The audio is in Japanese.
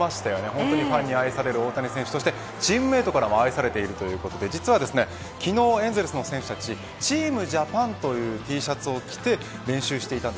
本当にファンに愛される大谷選手そしてチームメートからも愛されているということで実は昨日、エンゼルスの選手たちチームジャパンというＴシャツを着て練習していました。